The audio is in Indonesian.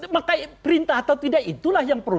maka perintah atau tidak itulah yang perlu